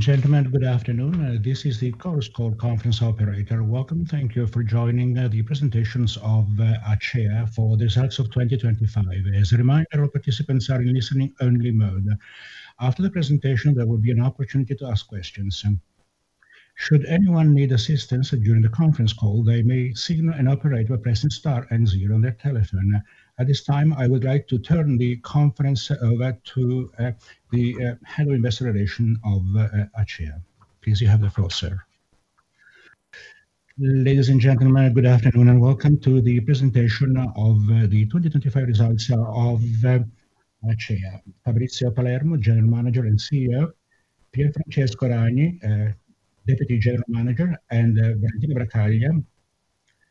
Ladies and gentlemen, good afternoon. This is the Chorus Call conference operator. Welcome. Thank you for joining the presentations of ACEA for the results of 2025. As a reminder, all participants are in listening only mode. After the presentation, there will be an opportunity to ask questions. Should anyone need assistance during the conference call, they may signal an operator by pressing star and zero on their telephone. At this time, I would like to turn the conference over to the Head of Investor Relations of ACEA. Please, you have the floor, sir. Ladies and gentlemen, good afternoon, and welcome to the presentation of the 2025 results of ACEA. Fabrizio Palermo, General Manager and CEO, Pier Francesco Ragni, Co-General Manager, and Valentina Bragaglia,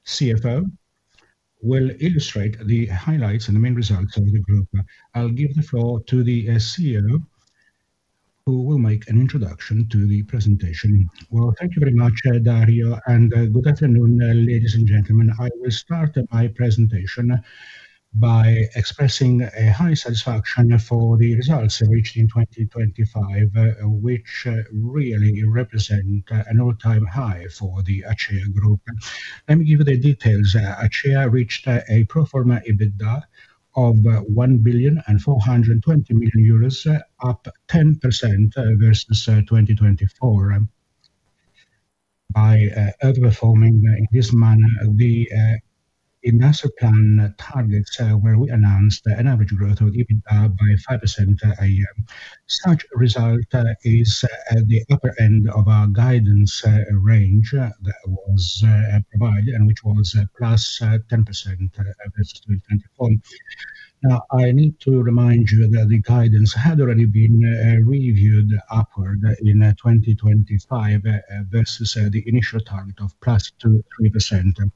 CFO, will illustrate the highlights and the main results of the group. I'll give the floor to the CEO, who will make an introduction to the presentation. Well, thank you very much, Dario, and good afternoon, ladies and gentlemen. I will start my presentation by expressing a high satisfaction for the results reached in 2025, which really represent an all-time high for the Acea Group. Let me give you the details. Acea reached a pro forma EBITDA of 1.42 billion, up 10% versus 2024. By outperforming in this manner the annual plan targets, where we announced an average growth of EBITDA by 5%. Such result is at the upper end of our guidance range that was provided and which was +10% versus 2024. Now, I need to remind you that the guidance had already been reviewed upward in 2025 versus the initial target of +2%-3%.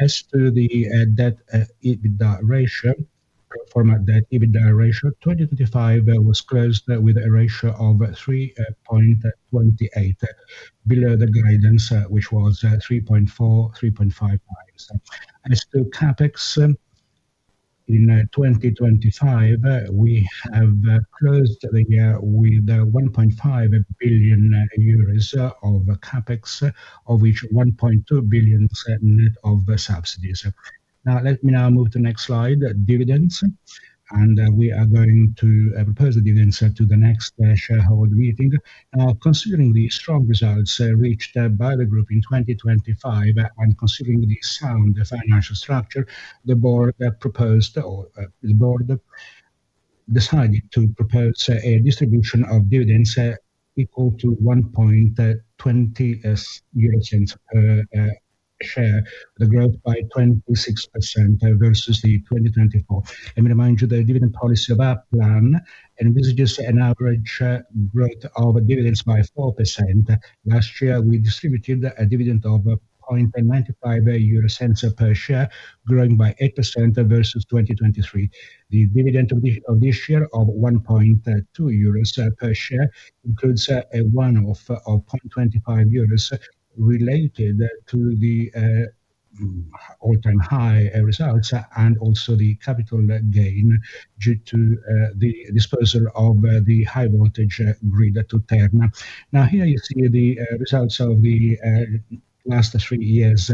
As to the pro forma debt EBITDA ratio, 2025 was closed with a ratio of 3.28 below the guidance, which was 3.4-3.5 times. As to CapEx in 2025, we have closed the year with 1.5 billion euros of CapEx, of which 1.2 billion net of subsidies. Now, let me move to next slide, dividends, and we are going to propose the dividends to the next shareholder meeting. Considering the strong results reached by the group in 2025 and considering the sound financial structure, the board decided to propose a distribution of dividends equal to 1.20 euro per share, the growth by 26% versus 2024. Let me remind you the dividend policy of our plan, and this is just an average growth of dividends by 4%. Last year, we distributed a dividend of 0.95 per share, growing by 8% versus 2023. The dividend of this year of 1.2 euro per share includes a one-off of 0.25 euros related to the all-time high results and also the capital gain due to the disposal of the high voltage grid to Terna. Now, here you see the results of the last three years.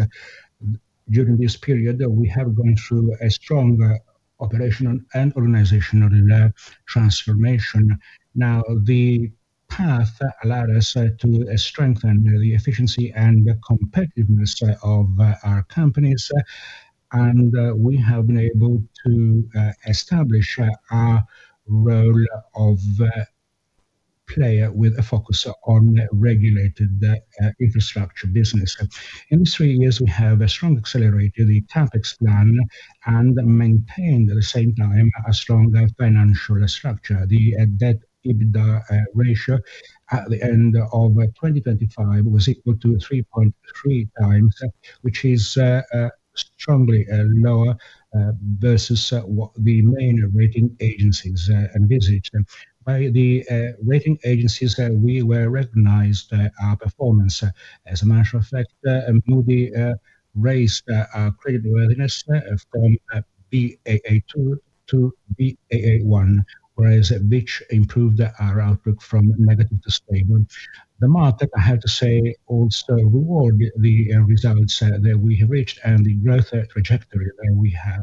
During this period, we have gone through a strong operational and organizational transformation. Now, the path allowed us to strengthen the efficiency and the competitiveness of our companies, and we have been able to establish our role of player with a focus on regulated infrastructure business. In these three years, we have strongly accelerated the CapEx plan and maintained at the same time a strong financial structure. The debt/EBITDA ratio at the end of 2025 was equal to 3.3 times, which is strongly lower versus what the main rating agencies envisaged. Our performance was recognized by the rating agencies. As a matter of fact, Moody's raised our credit worthiness from Baa two to Baa one, which improved our outlook from negative to stable. The market, I have to say, also reward the results that we have reached and the growth trajectory that we have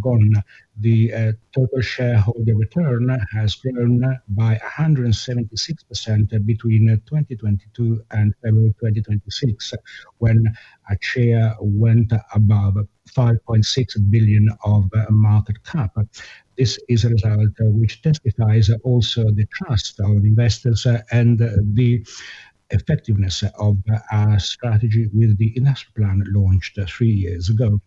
gone. The total shareholder return has grown by 176% between 2022 and February 2026, when ACEA went above 5.6 billion of market cap. This is a result which testifies also the trust of investors and the effectiveness of our strategy with the industrial plan launched three years ago.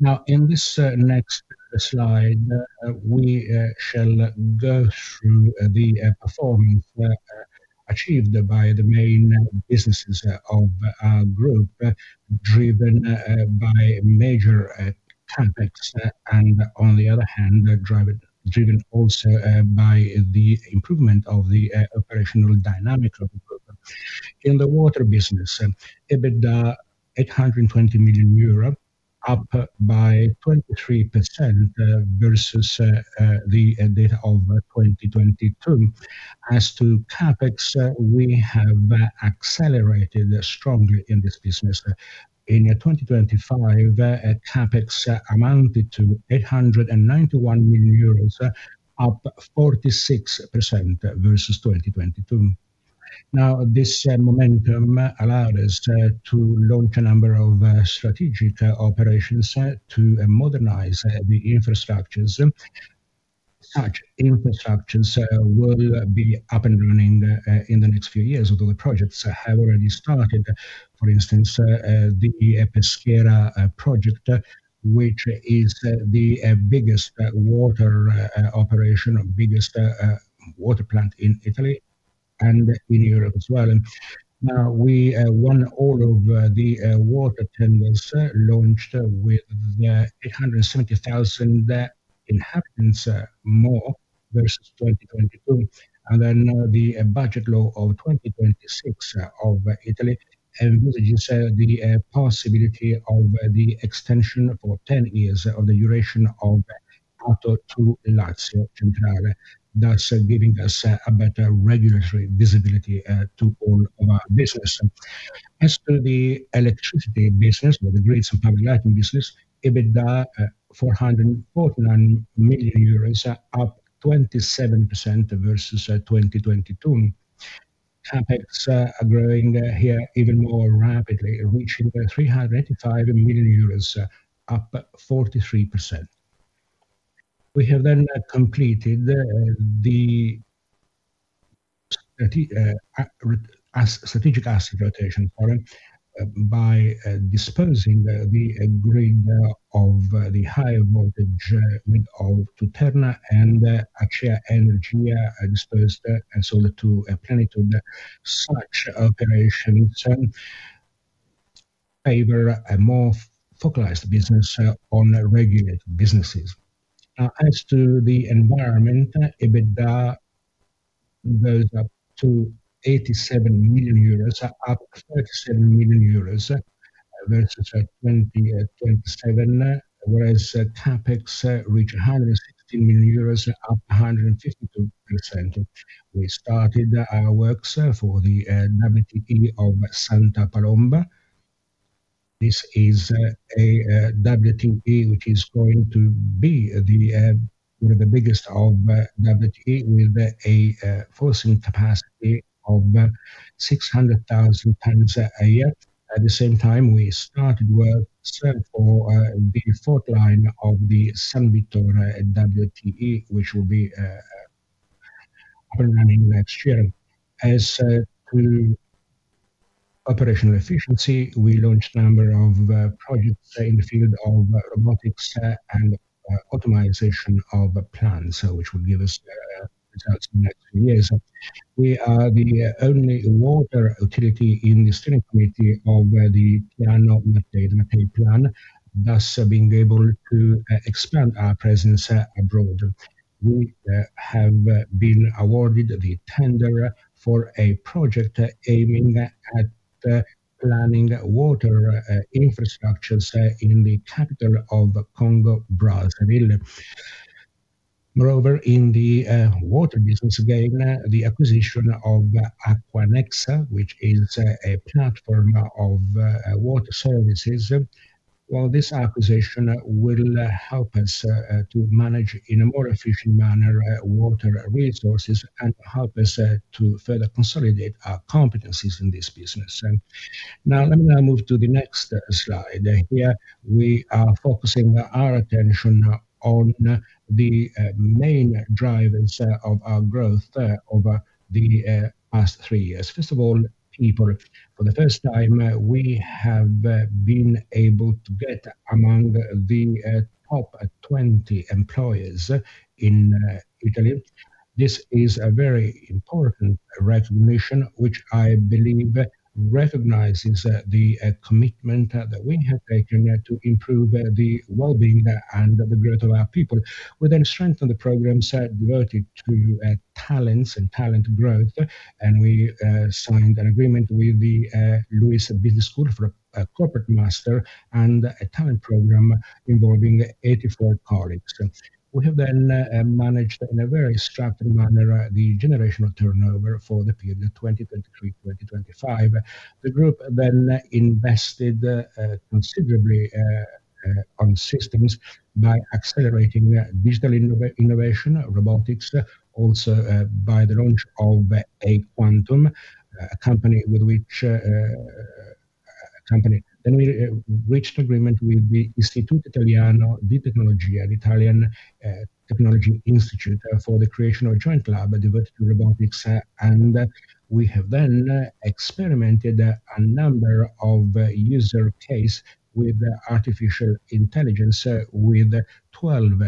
Now, in this next slide, we shall go through the performance achieved by the main businesses of our group, driven by major CapEx, and on the other hand, driven also by the improvement of the operational dynamic of the group. In the water business, EBITDA 820 million euro, up by 23% versus the data of 2022. As to CapEx, we have accelerated strongly in this business. In 2025, CapEx amounted to 891 million euros, up 46% versus 2022. Now, this momentum allowed us to launch a number of strategic operations to modernize the infrastructures. Such infrastructures will be up and running in the next few years, although the projects have already started. For instance, the Peschiera project, which is the biggest water operation or biggest water plant in Italy and in Europe as well. Now, we won all of the water tenders launched with 870,000 inhabitants more versus 2022. Then the budget law of 2026 of Italy envisages the possibility of the extension for 10 years of the duration of ATO 2 Lazio Centrale , thus giving us a better regulatory visibility to all of our business. As to the electricity business, well, the grids and public lighting business, EBITDA 449 million euros, up 27% versus 2022. CapEx are growing here even more rapidly, reaching 385 million euros, up 43%. We have completed the strategic asset rotation program by disposing of the higher voltage grid with Terna and Acea Energia disposed and sold to Plenitude. Such operations favor a more focalized business on regulated businesses. As to the environmental, EBITDA goes up to 87 million euros, up 37 million euros versus 2022, whereas CapEx reached 160 million euros, up 152%. We started our works for the WTE of Santa Palomba. This is a WTE which is going to be the biggest WTE with a processing capacity of 600,000 tons a year. At the same time, we started works for the fourth line of the San Vittore WTE, which will be up and running next year. As to operational efficiency, we launched a number of projects in the field of robotics and optimization of plants, which will give us results in the next few years. We are the only water utility in the steering committee of the Piano Mattei plan, thus being able to expand our presence abroad. We have been awarded the tender for a project aiming at planning water infrastructures in the capital of Congo, Brazzaville. Moreover, in the water business again, the acquisition of Aquanexa, which is a platform of water services. Well, this acquisition will help us to manage in a more efficient manner water resources and help us to further consolidate our competencies in this business. Now, let me move to the next slide. Here we are focusing our attention on the main drivers of our growth over the past three years. First of all, people. For the first time, we have been able to get among the top 20 employers in Italy. This is a very important recognition, which I believe recognizes the commitment that we have taken to improve the well-being and the growth of our people. We strengthened the programs devoted to talents and talent growth, and we signed an agreement with the Luiss Business School for a corporate master and a talent program involving 84 colleagues. We have managed in a very structured manner the generational turnover for the period 2023-2025. The group invested considerably on systems by accelerating digital innovation, robotics, also by the launch of Aquanexa, a company with which. We reached agreement with the Istituto Italiano di Tecnologia, the Italian Technology Institute, for the creation of a joint lab devoted to robotics. We have then experimented a number of use cases with artificial intelligence with 12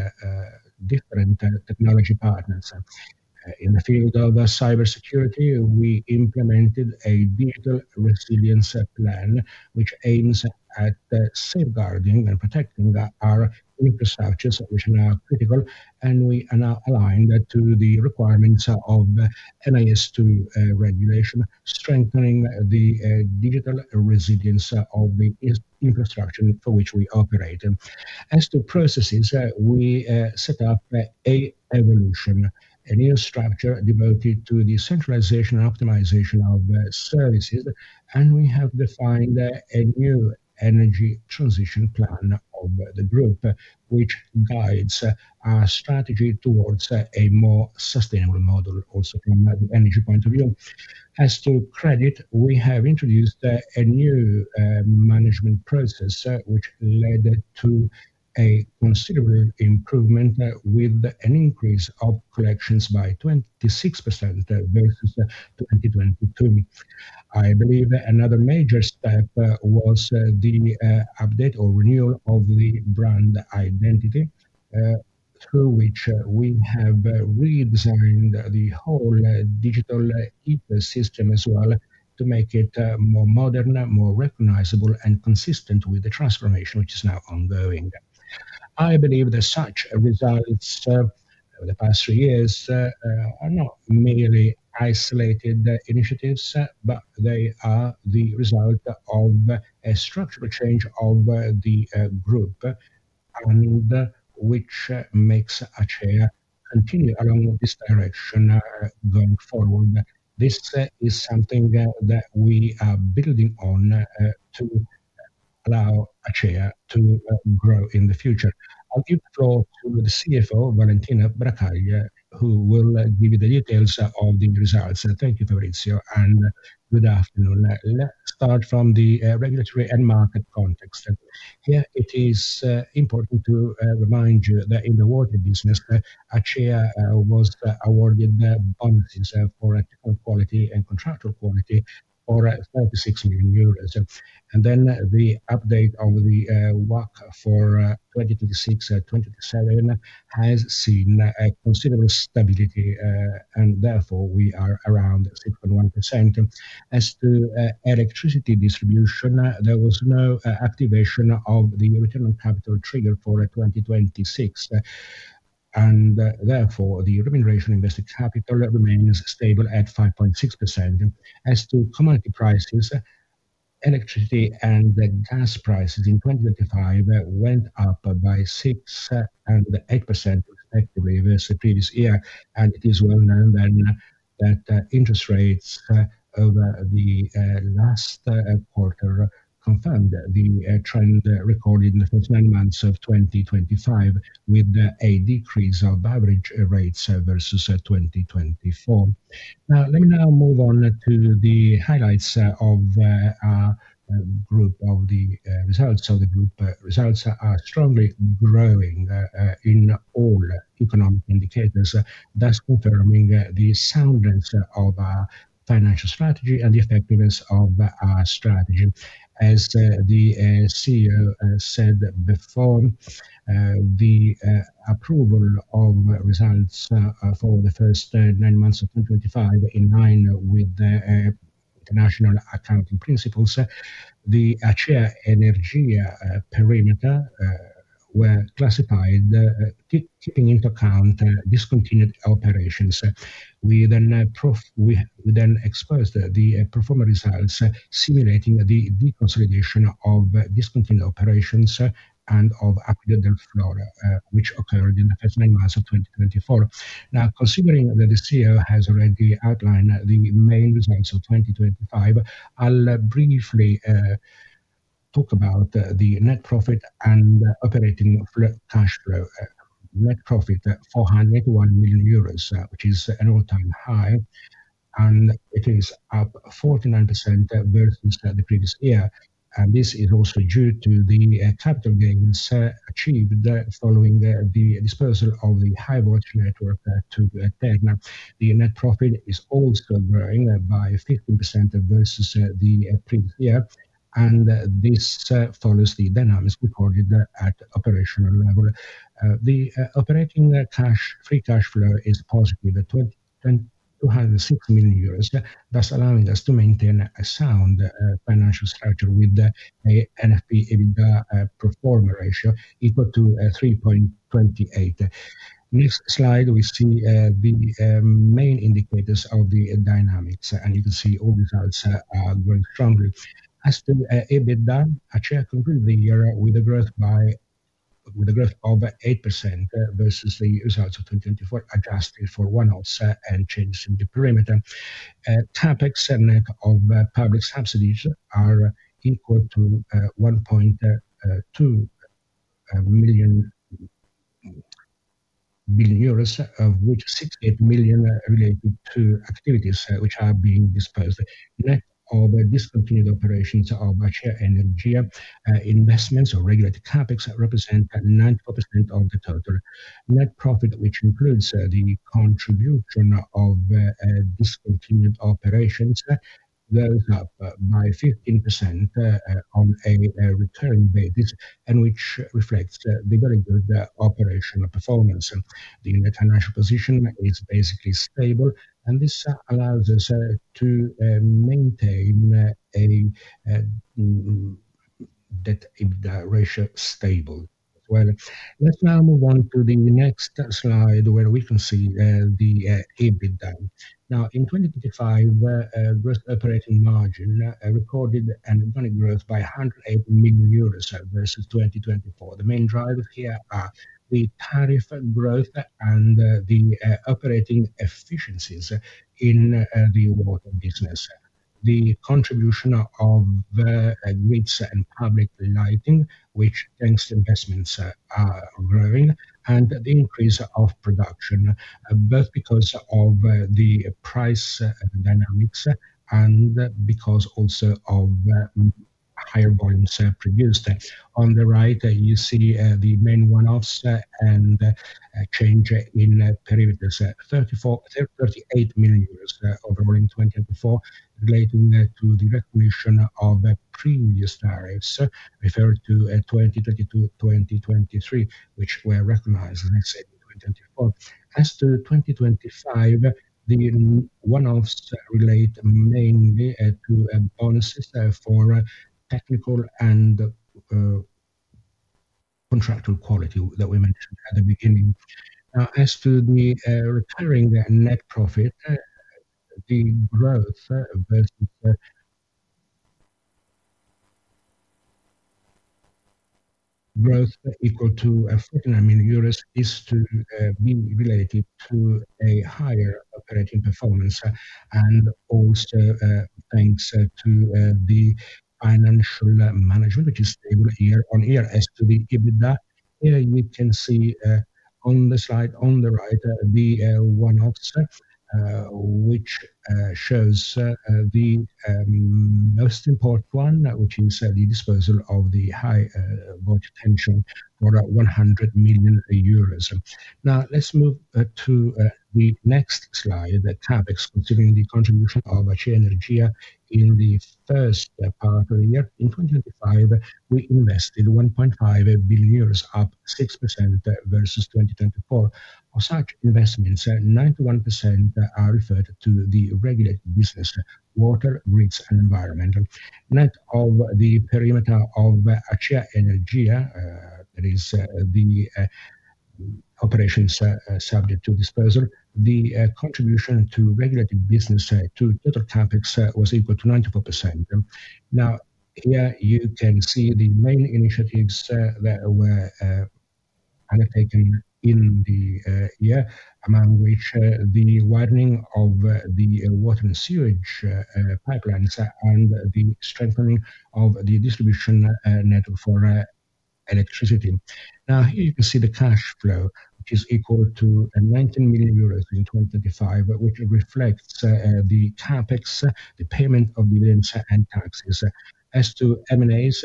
different technology partners. In the field of cybersecurity, we implemented a digital resilience plan which aims at safeguarding and protecting our infrastructures which are now critical, and we are now aligned to the requirements of NIS2 regulation, strengthening the digital resilience of the infrastructure for which we operate. As to processes, we set up an evolution, a new structure devoted to the centralization and optimization of services, and we have defined a new energy transition plan of the group, which guides our strategy towards a more sustainable model also from an energy point of view. As to credit, we have introduced a new management process which led to a considerable improvement with an increase of collections by 26% versus 2022. I believe another major step was the update or renewal of the brand identity through which we have redesigned the whole digital ecosystem as well to make it more modern, more recognizable, and consistent with the transformation which is now ongoing. I believe that such results over the past three years are not merely isolated initiatives but they are the result of a structural change of the group, and which makes ACEA continue along this direction going forward. This is something that we are building on to allow ACEA to grow in the future. I'll give the floor to the CFO, Valentina Bragaglia, who will give you the details of the results. Thank you, Fabrizio, and good afternoon. Let's start from the regulatory and market context. Here it is important to remind you that in the water business, ACEA was awarded bonuses for technical quality and contractual quality for 36 million euros. The update of the WACC for 2026, 2027 has seen a considerable stability, and therefore we are around 6.1%. As to electricity distribution, there was no activation of the return on capital trigger for 2026, and therefore the remuneration on invested capital remains stable at 5.6%. As to commodity prices, electricity and gas prices in 2025 went up by 6% and 8% respectively versus the previous year. It is well known then that interest rates over the last quarter confirmed the trend recorded in the first nine months of 2025, with a decrease of average rates versus 2024. Now, let me move on to the highlights of our group, of the results. The group results are strongly growing in all economic indicators, thus confirming the soundness of our financial strategy and the effectiveness of our strategy. As the CEO said before, the approval of results for the first nine months of 2025 in line with the international accounting principles, the Acea Energia perimeter were classified taking into account discontinued operations. We then exposed the pro forma results simulating the deconsolidation of discontinued operations and of Acquedotto del Fiora, which occurred in the first nine months of 2024. Now, considering that the CEO has already outlined the main results of 2025, I'll briefly talk about the net profit and operating cash flow. Net profit, 481 million euros, which is an all-time high, and it is up 49% versus the previous year. This is also due to the capital gains achieved following the dispersal of the high voltage network to Terna. The net profit is also growing by 15% versus the previous year, and this follows the dynamics recorded at operational level. The operating cash free cash flow is positive at 26 million euros, thus allowing us to maintain a sound financial structure with a NFP/EBITDA pro forma ratio equal to 3.28. Next slide, we see the main indicators of the dynamics, and you can see all results are growing strongly. As to EBITDA, Acea concluded the year with a growth of 8% versus the results of 2024, adjusted for one-offs and changes in the perimeter. CapEx net of public subsidies are equal to 1.2 billion euros, of which 68 million related to activities which are being disposed. Net of discontinued operations of Acea Energia, investments or regulated CapEx represent 9% of the total. Net profit, which includes the contribution of discontinued operations, goes up by 15% on a return basis and which reflects the very good operational performance. The financial position is basically stable, and this allows us to maintain a debt/EBITDA ratio stable. Well, let's now move on to the next slide where we can see the EBITDA. Now, in 2025, gross operating margin recorded an organic growth by 108 million euros versus 2024. The main drivers here are the tariff growth and the operating efficiencies in the water business. The contribution of the grids and public lighting, which thanks to investments are growing, and the increase of production, both because of the price dynamics and because also of higher volumes produced. On the right, you see the main one-offs and change in perimeters, 38 million euros in 2024 relating to the recognition of previous tariffs referred to 2022, 2023, which were recognized in 2024. As to 2025, the one-offs relate mainly to bonuses for technical and contractual quality that we mentioned at the beginning. Now, as to the recurring net profit, the growth equal to EUR 14 million is due to a higher operating performance and also thanks to the financial management which is stable year on year. As to the EBITDA, here you can see on the slide on the right, the one-offs which shows the most important one, which is the disposal of the high voltage transmission for 100 million euros. Now, let's move to the next slide, the CapEx, considering the contribution of Acea Energia in the first part of the year. In 2025, we invested 1.5 billion euros, up 6% versus 2024. Of such investments, 91% are referred to the regulated business, water, grids, and environmental. Net of the perimeter of Acea Energia, that is the operations subject to disposal, the contribution to regulated business to total CapEx was equal to 94%. Now, here you can see the main initiatives that were undertaken in the year, among which the widening of the water and sewage pipelines and the strengthening of the distribution network for electricity. Now, here you can see the cash flow, which is equal to 19 million euros in 2025, which reflects the CapEx, the payment of dividends and taxes. As to M&As,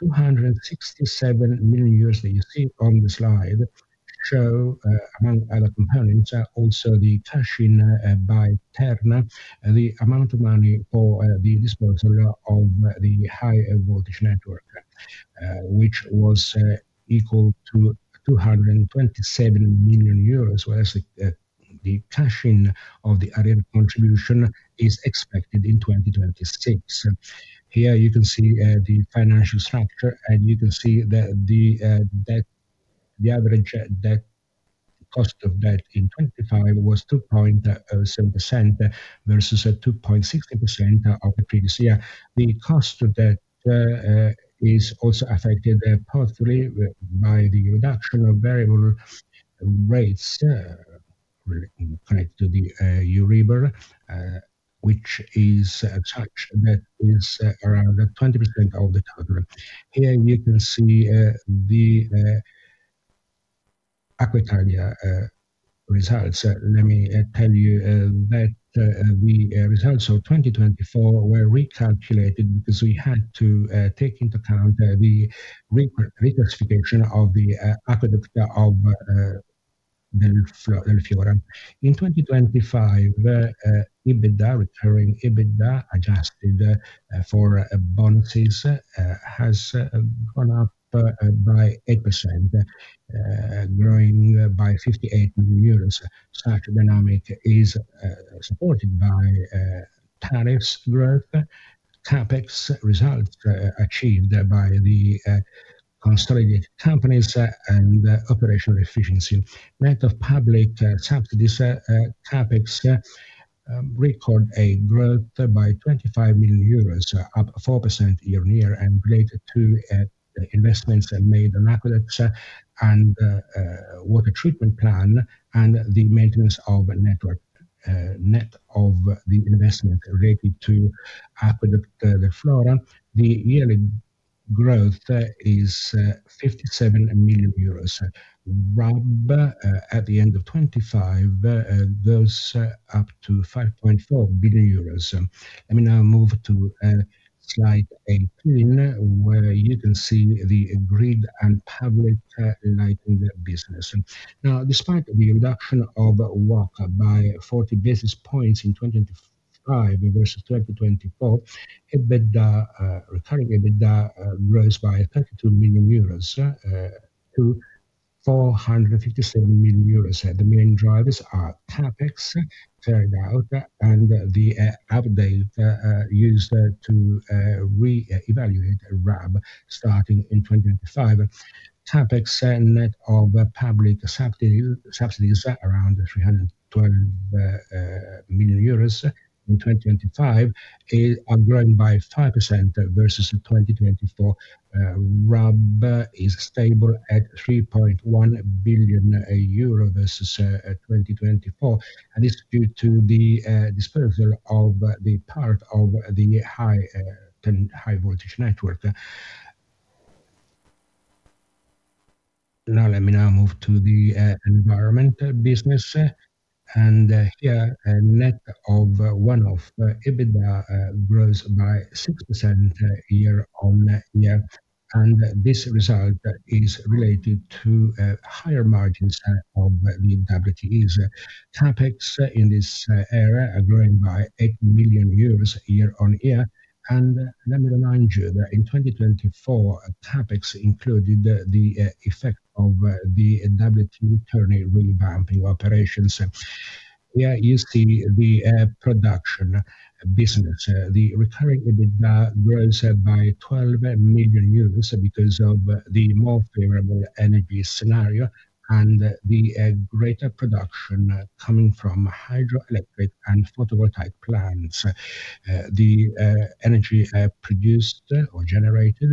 267 million that you see on the slide show, among other components, also the cash-in by Terna, the amount of money for the disposal of the high voltage network, which was equal to 227 million euros, whereas the cash-in of the added contribution is expected in 2026. Here you can see the financial structure, and you can see that the average cost of debt in 2025 was 2.07% versus 2.60% of the previous year. The cost of debt is also affected partially by the reduction of variable rates connected to the Euribor, which is such that is around 20% of the total. Here you can see the Acqua Italia results. Let me tell you that the results of 2024 were recalculated because we had to take into account the reclassification of the Acquedotto del Fiora. In 2025, EBITDA, recurring EBITDA, adjusted for bonuses, has gone up by 8%, growing by 58 million euros. Such dynamic is supported by tariffs growth, CapEx results achieved by the consolidated companies and operational efficiency. Net of public subsidies, CapEx records a growth by 25 million euros, up 4% year-on-year and related to investments made on aqueducts and water treatment plant and the maintenance of network, net of the investment related to Acquedotto del Fiora. The yearly growth is 57 million euros. RAB at the end of 2025 goes up to 5.4 billion euros. Let me now move to slide 18, where you can see the grid and public lighting business. Despite the reduction of WACC by 40 basis points in 2025 versus 2024, recurring EBITDA rose by 32 million euros - 457 million euros. The main drivers are CapEx carried out and the update used to reevaluate RAB starting in 2025. CapEx and net of public subsidies around 312 million euros in 2025 is growing by 5% versus 2024. RAB is stable at 3.1 billion euro versus 2024, and this is due to the disposal of the part of the high-tension high voltage network. Now let me move to the environment business. Here, net of one-off EBITDA grows by 6% year-on-year, and this result is related to higher margins of the WTEs. CapEx in this area are growing by 8 million euros year-on-year. Let me remind you that in 2024, CapEx included the effect of the WTE Terni revamping operations. Here is the production business. The recurring EBITDA grows by 12 million euros because of the more favorable energy scenario and the greater production coming from hydroelectric and photovoltaic plants. The energy produced or generated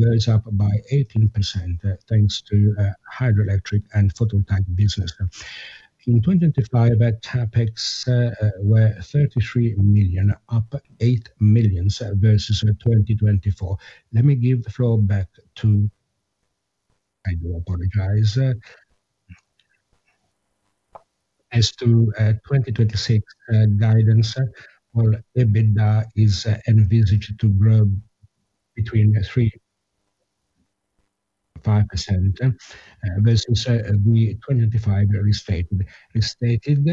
goes up by 18% thanks to hydroelectric and photovoltaic business. In 2025, CapEx were 33 million, up 8 million versus 2024. As to 2026 guidance, all EBITDA is envisaged to grow between 3% and 5% versus the 2025 restated. Restated,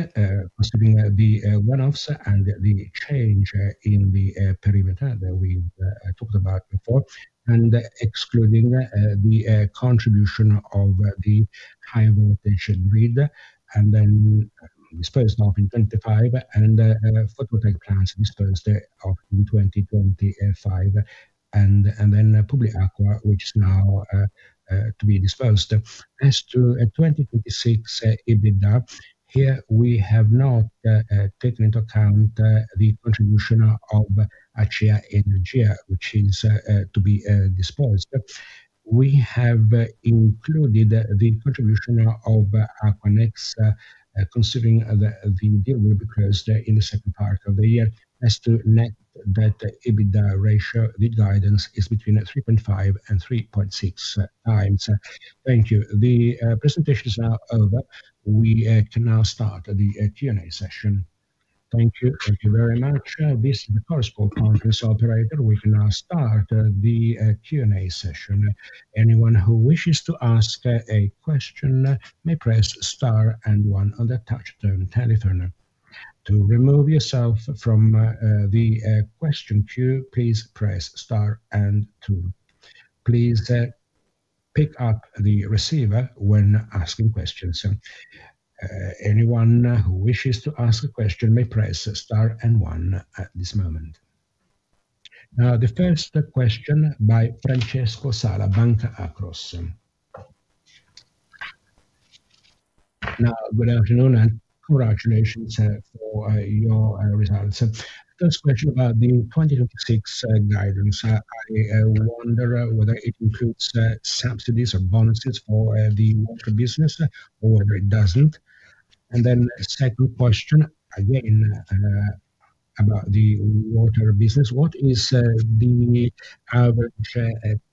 considering the one-offs and the change in the perimeter that we talked about before, and excluding the contribution of the high voltage grid, and then disposed of in 2025, and photovoltaic plants disposed of in 2025, and then Publiacqua, which is now to be disposed. As to 2026 EBITDA, here we have not taken into account the contribution of Acea Energia, which is to be disposed. We have included the contribution of Aquanexa, considering the deal will be closed in the second part of the year. As to net debt to EBITDA ratio, the guidance is between 3.5 and 3.6 times. Thank you. The presentation is now over. We can now start the Q&A session. Thank you. Thank you very much. This is the conference operator. We can now start the Q&A session. Anyone who wishes to ask a question may press star and one on the touchtone telephone. To remove yourself from the question queue, please press star and two. Please pick up the receiver when asking questions. Anyone who wishes to ask a question may press star and one at this moment. Now, the first question by Francesco Sala, Banca Akros. Good afternoon and congratulations for your results. First question about the 2026 guidance. I wonder whether it includes subsidies or bonuses for the water business or whether it doesn't. Second question, again, about the water business. What is the average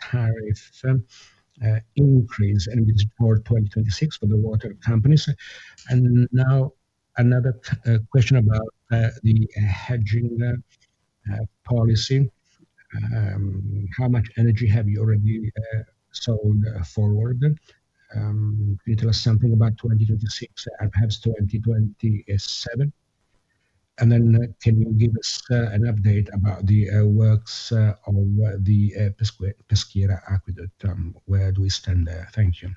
tariff increase envisaged for 2026 for the water companies? Now another question about the hedging policy. How much energy have you already sold forward? Could you tell us something about 2026 and perhaps 2027? Can you give us an update about the works on the Peschiera aqueduct? Where do we stand there? Thank you.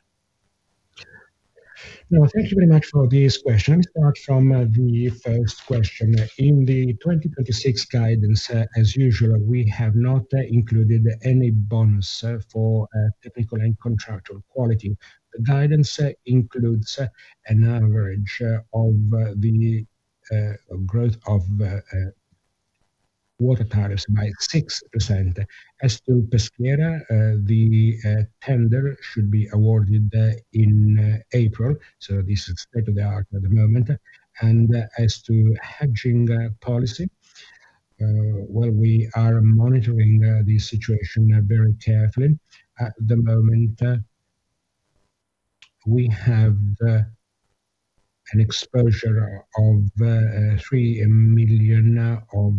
No, thank you very much for these questions. Start from the first question. In the 2026 guidance, as usual, we have not included any bonus for technical and contractual quality. The guidance includes an average of the growth of water tariffs by 6%. As to Peschiera, the tender should be awarded in April, so this is state of the art at the moment. As to hedging policy, well, we are monitoring the situation very carefully. At the moment, we have an exposure of 3 million of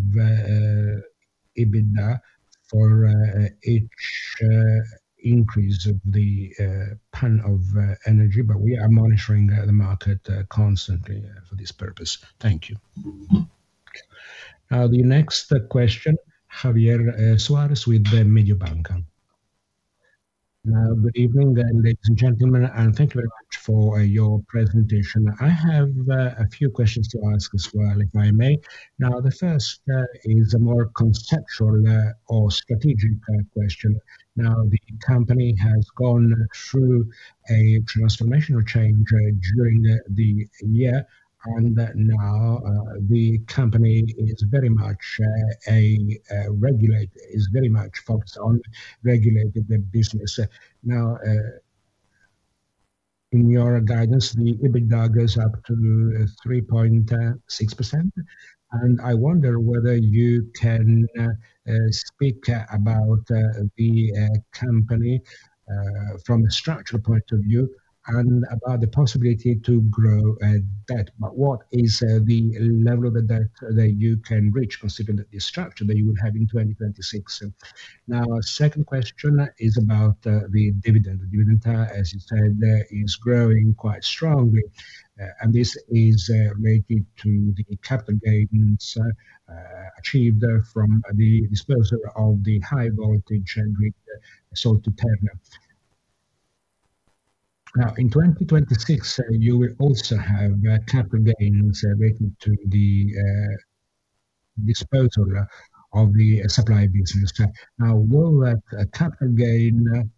EBITDA for each increase of the ton of energy. We are monitoring the market constantly for this purpose. Thank you. The next question, Javier Suarez with Mediobanca. Good evening, then, ladies and gentlemen, and thank you very much for your presentation. I have a few questions to ask as well, if I may. Now, the first is a more conceptual or strategic question. Now, the company has gone through a transformational change during the year, and now the company is very much focused on regulated business. Now, in your guidance, the EBITDA goes up to 3.6%. I wonder whether you can speak about the company from a structural point of view and about the possibility to grow debt. What is the level of debt that you can reach considering the structure that you would have in 2026? Now, second question is about the dividend. The dividend, as you said, is growing quite strongly. This is related to the capital gains achieved from the disposal of the high voltage and grid sold to Terna. Now, in 2026, you will also have capital gains related to the disposal of the supply business. Now, will that capital gain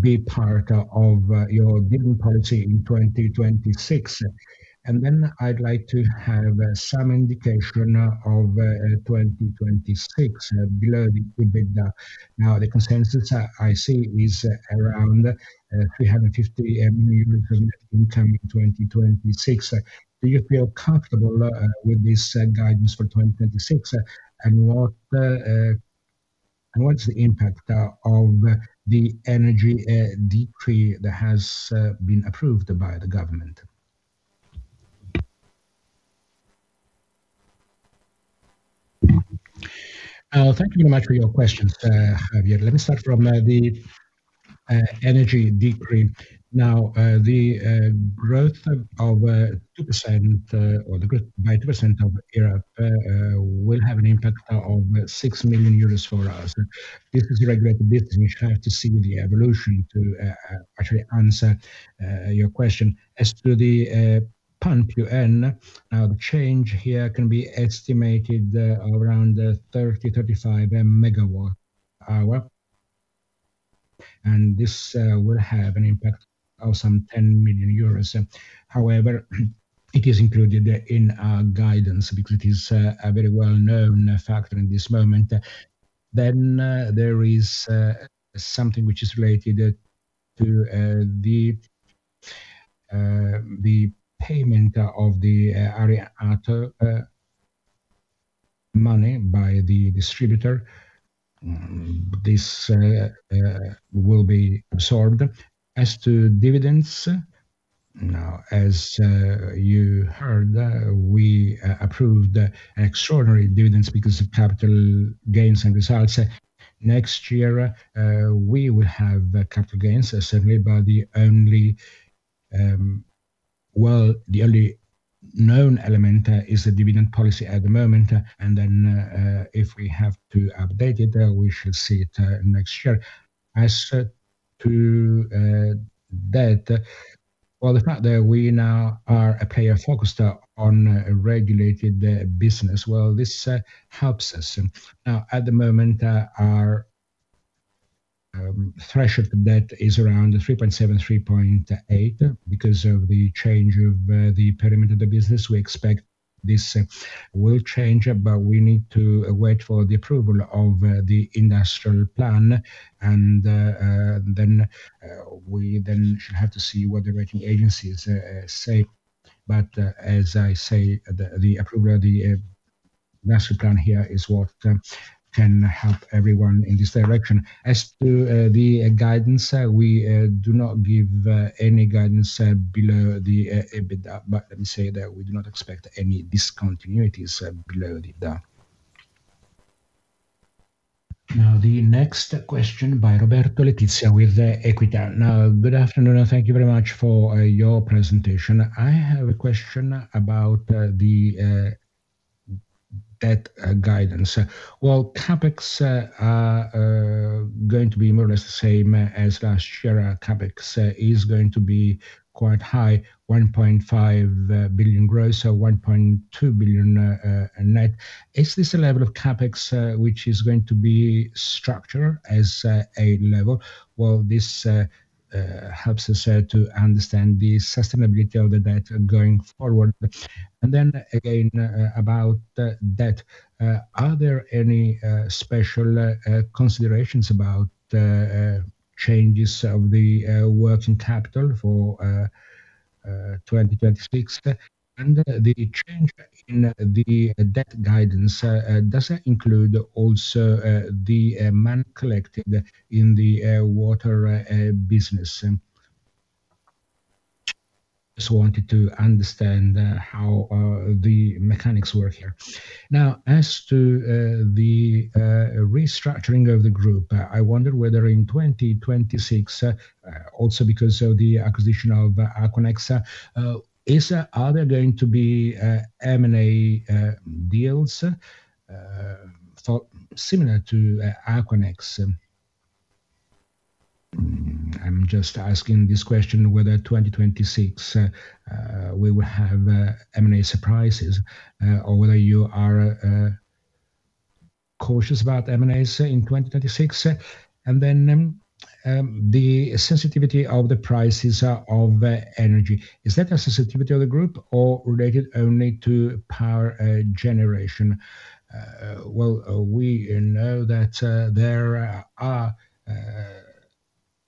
be part of your dividend policy in 2026? I'd like to have some indication of 2026 below the EBITDA. Now, the consensus I see is around 350 million euros net income in 2026. Do you feel comfortable with this guidance for 2026? What's the impact of the energy decree that has been approved by the government? Thank you very much for your questions, Javier. Let me start from the energy decree. Now, the growth of 2% or by 2% of ARERA will have an impact of 6 million euros for us. This is regulated business. We have to see the evolution to actually answer your question. As to the PUN, the change here can be estimated around 30-35 MWh. And this will have an impact of some 10 million euros. However, it is included in our guidance because it is a very well-known factor in this moment. There is something which is related to the payment of the ATO money by the distributor. This will be absorbed. As to dividends, now, as you heard, we approved extraordinary dividends because of capital gains and results. Next year, we will have capital gains, as said here. Well, the only known element is the dividend policy at the moment. If we have to update it, we should see it next year. As to debt, well, the fact that we now are a player focused on regulated business, well, this helps us. Now, at the moment, our threshold debt is around 3.7-3.8. Because of the change of the perimeter of the business, we expect this will change, but we need to wait for the approval of the industrial plan, and then we should have to see what the rating agencies say. As I say, the approval of the master plan here is what can help everyone in this direction. As to the guidance, we do not give any guidance below the EBITDA, but let me say that we do not expect any discontinuities below EBITDA. Now, the next question by Roberto Letizia with Equita. Now, good afternoon, and thank you very much for your presentation. I have a question about the debt guidance. While CapEx going to be more or less the same as last year, CapEx is going to be quite high, 1.5 billion gross or 1.2 billion net. Is this a level of CapEx which is going to be structured as a level? Well, this helps us to understand the sustainability of the debt going forward. Then again, about debt. Are there any special considerations about changes of the working capital for 2026? The change in the debt guidance, does it include also the money collected in the water business? Just wanted to understand how the mechanics work here. Now, as to the restructuring of the group, I wonder whether in 2026 also because of the acquisition of Aquanexa, are there going to be M&A deals thought similar to Aquanexa? I'm just asking this question whether 2026 we will have M&A surprises or whether you are cautious about M&As in 2026. The sensitivity of the prices of energy. Is that a sensitivity of the group or related only to power generation? Well, we know that there are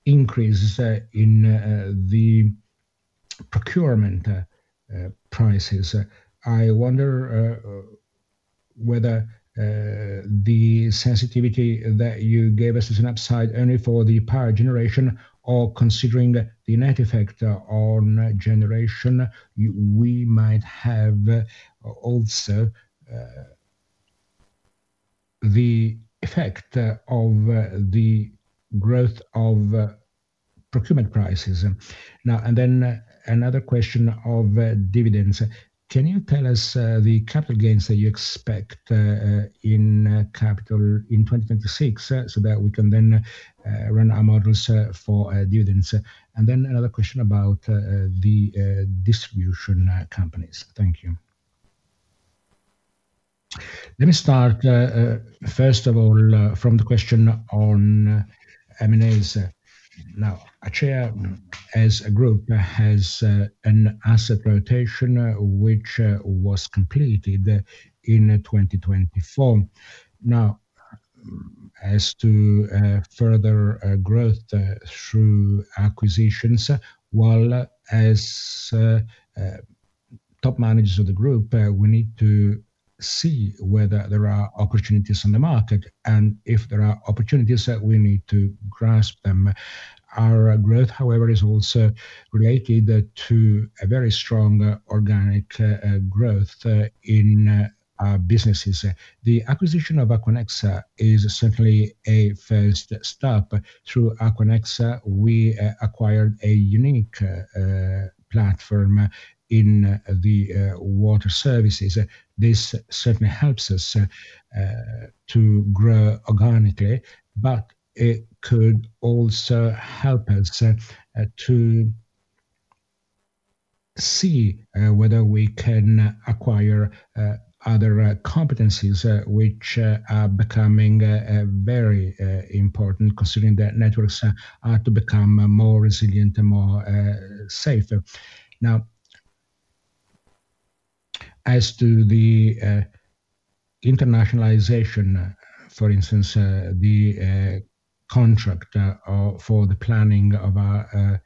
increases in the procurement prices. I wonder whether the sensitivity that you gave us is an upside only for the power generation or considering the net effect on generation, we might have also the effect of the growth of procurement prices. Now another question of dividends. Can you tell us the capital gains that you expect in capital in 2026 so that we can then run our models for dividends? Another question about the distribution companies. Thank you. Let me start first of all from the question on M&As. Now, ACEA as a group has an asset rotation which was completed in 2024. Now, as to further growth through acquisitions, well, as top managers of the group, we need to see whether there are opportunities in the market, and if there are opportunities, we need to grasp them. Our growth, however, is also related to a very strong organic growth in our businesses. The acquisition of Aquanexa is certainly a first step. Through Aquanexa, we acquired a unique platform in the water services. This certainly helps us to grow organically, but it could also help us to see whether we can acquire other competencies which are becoming very important considering that networks are to become more resilient and more safe. Now, as to the internationalization, for instance, the contract for the planning of our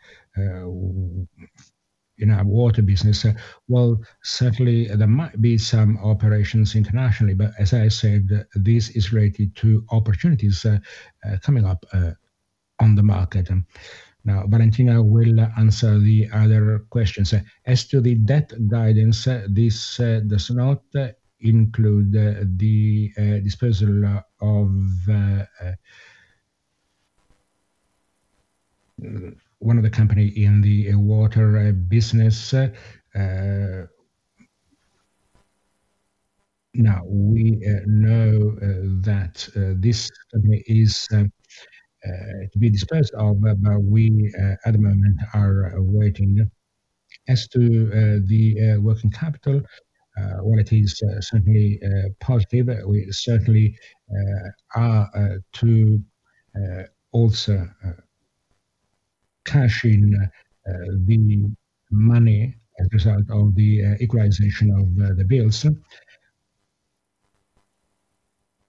water business. Well, certainly there might be some operations internationally, but as I said, this is related to opportunities coming up on the market. Now, Valentina will answer the other questions. As to the debt guidance, this does not include the disposal of one of the company in the water business. Now, we know that this company is to be disposed of, but we at the moment are waiting. As to the working capital, well it is certainly positive. We certainly are to also cash in the money as a result of the equalization of the bills.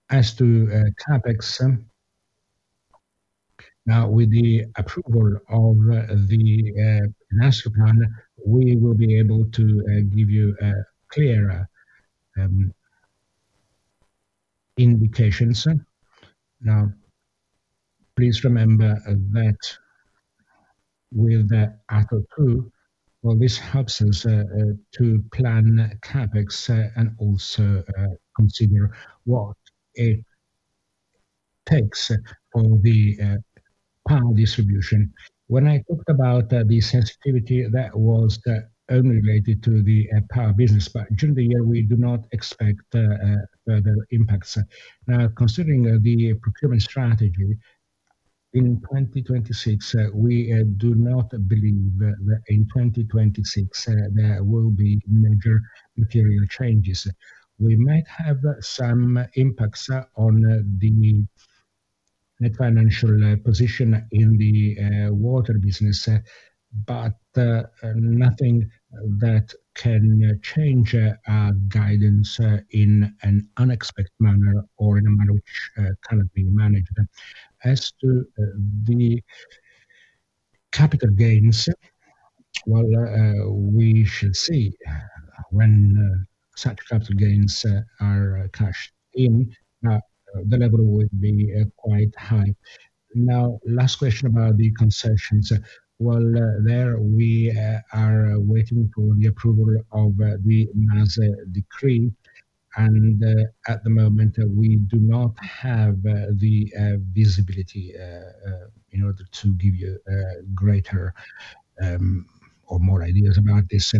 As to CapEx, now with the approval of the ARERA plan, we will be able to give you a clearer indications. Now, please remember that with ATO two, well, this helps us to plan CapEx and also consider what it takes for the power distribution. When I talked about the sensitivity, that was only related to the power business, but during the year, we do not expect further impacts. Now, considering the procurement strategy, in 2026, we do not believe that in 2026, there will be major material changes. We might have some impacts on the financial position in the water business, but nothing that can change our guidance in an unexpected manner or in a manner which cannot be managed. As to the capital gains, we should see when such capital gains are cashed in, the level would be quite high. Now, last question about the concessions. There we are waiting for the approval of the ARERA decree. At the moment, we do not have the visibility in order to give you a greater or more ideas about this.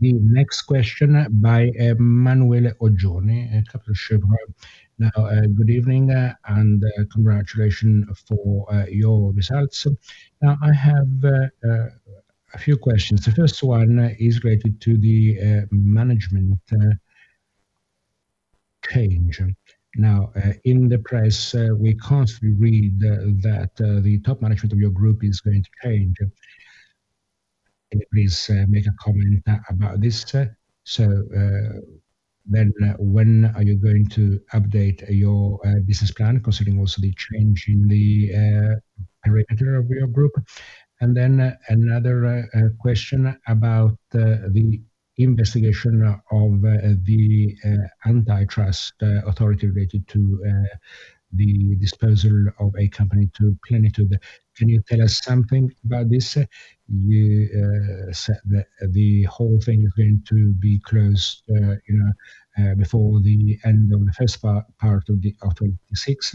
The next question by Emanuele Oggioni at Kepler Cheuvreux. Good evening, and congratulations for your results. I have a few questions. The first one is related to the management change. Now, in the press, we constantly read that the top management of your group is going to change. Can you please make a comment about this? When are you going to update your business plan, considering also the change in the perimeter of your group? Another question about the investigation of the antitrust authority related to the disposal of a company to Plenitude. Can you tell us something about this? You said the whole thing is going to be closed, you know, before the end of the first part of 2026.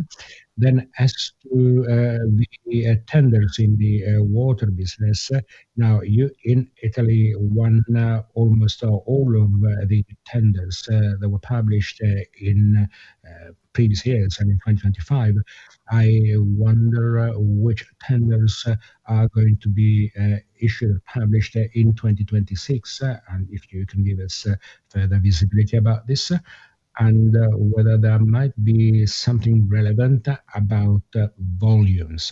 As to the tenders in the water business. Now you in Italy won almost all of the tenders that were published in previous years and in 2025. I wonder which tenders are going to be issued or published in 2026, and if you can give us further visibility about this, and whether there might be something relevant about volumes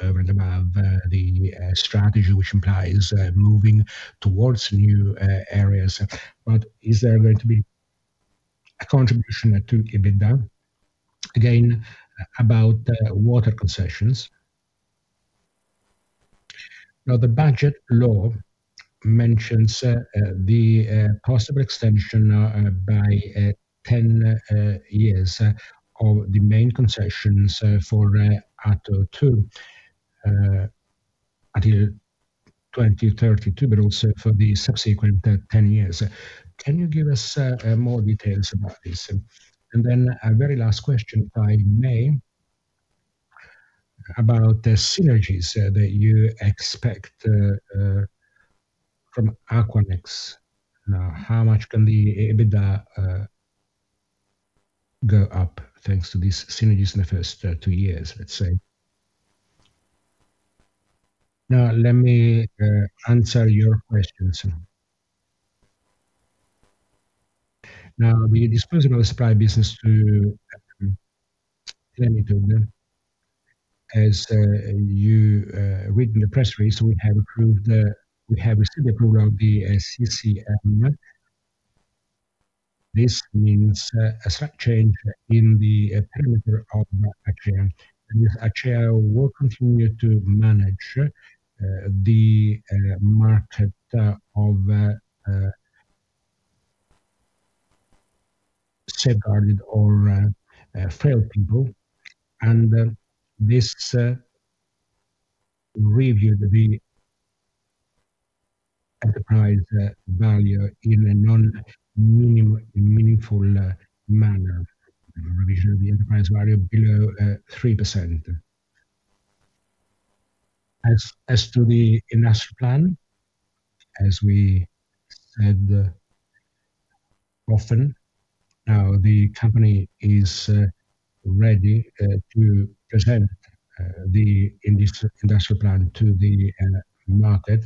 above the strategy, which implies moving towards new areas. But is there going to be a contribution to EBITDA? Again, about the water concessions. Now, the budget law mentions the possible extension by 10 years of the main concessions for ATO two until 2032, but also for the subsequent 10 years. Can you give us more details about this? A very last question, if I may, about the synergies that you expect from Aquanexa. Now, how much can the EBITDA go up thanks to these synergies in the first two years, let's say? Now let me answer your questions. Now, the disposal of the supply business to Plenitude, as you read in the press release, we have approved, we have received approval of the AGCM. This means a slight change in the parameter of Acea. Acea will continue to manage the market of safeguarded or failed people. This review of the enterprise value in a meaningful manner. Revision of the enterprise value below 3%. As to the industrial plan, as we said often, now the company is ready to present the industrial plan to the market.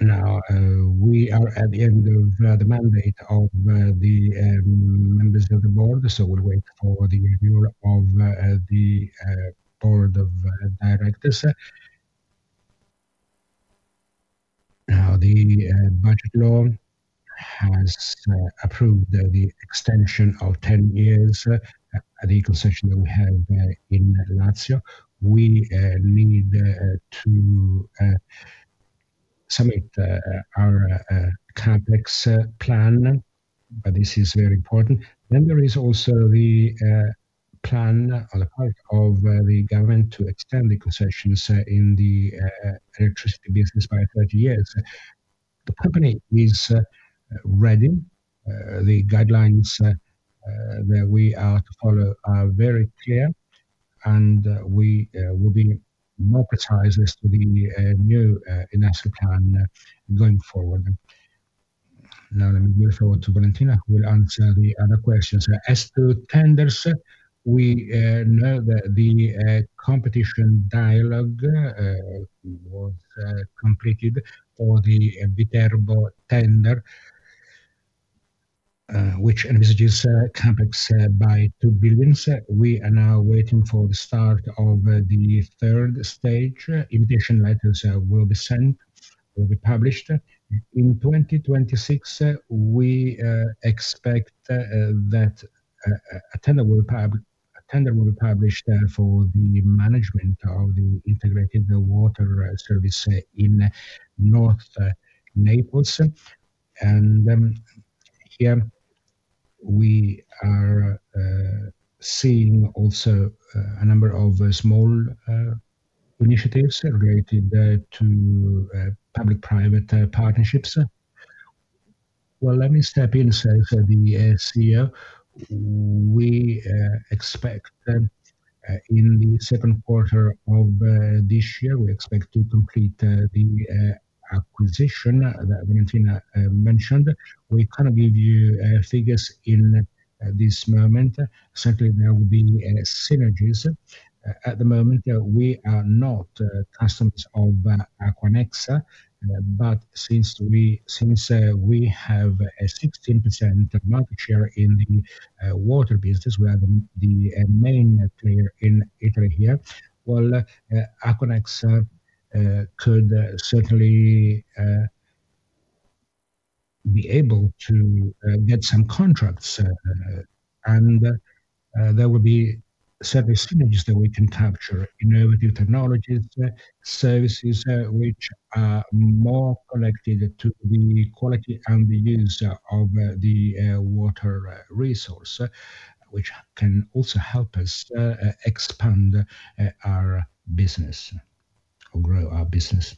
Now, we are at the end of the mandate of the members of the board, so we'll wait for the review of the board of directors. Now, the budget law has approved the extension of 10 years the concession that we have in Lazio. We need to submit our CapEx plan, but this is very important. There is also the plan on the part of the government to extend the concessions in the electricity business by 30 years. The company is ready. The guidelines that we are to follow are very clear, and we will be more precise as to the new industrial plan going forward. Now let me move forward to Valentina, who will answer the other questions. As to tenders, we know that the competition dialogue was completed for the Viterbo tender, which envisages CapEx by 2 billion. We are now waiting for the start of the third stage. Invitation letters will be sent, will be published. In 2026, we expect that a tender will be published for the management of the integrated water service in North Naples. Here we are seeing also a number of small initiatives related to public-private partnerships. Well, let me step in, for the FY year, we expect in the second quarter of this year, we expect to complete the acquisition that Valentina mentioned. We cannot give you figures in this moment. Certainly, there will be any synergies. At the moment, we are not customers of Aquanexa, but since we have a 16% market share in the water business, we are the main player in Italy here. Well, Aquanexa could certainly be able to get some contracts, and there will be certain synergies that we can capture, innovative technologies, services which are more connected to the quality and the use of the water resource, which can also help us expand our business or grow our business.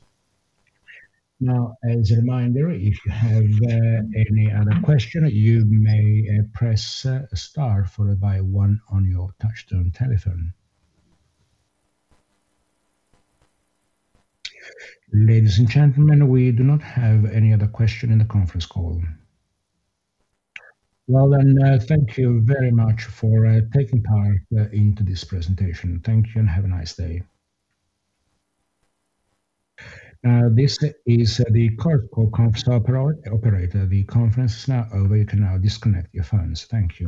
Now, as a reminder, if you have any other question, you may press star followed by one on your touchtone telephone. Ladies and gentlemen, we do not have any other question in the conference call. Well, then, thank you very much for taking part into this presentation. Thank you and have a nice day. This is the Chorus Call operator. The conference is now over. You can now disconnect your phones. Thank you.